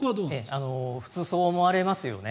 普通そう思われますよね。